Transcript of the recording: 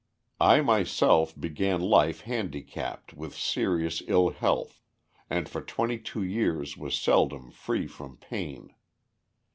] I myself began life handicapped with serious ill health, and for twenty two years was seldom free from pain.